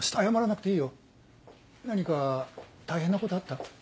謝らなくていいよ何か大変なことあった？